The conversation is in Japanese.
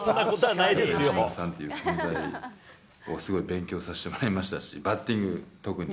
由伸さんという存在をすごい勉強させてもらいましたし、バッティング、特に。